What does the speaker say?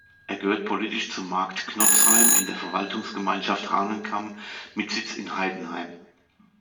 Er gehört politisch zum Markt Gnotzheim in der Verwaltungsgemeinschaft Hahnenkamm mit Sitz in Heidenheim.